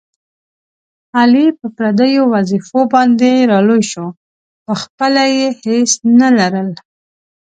علي په پردیو وظېفو باندې را لوی شو، په خپله یې هېڅ نه لرل.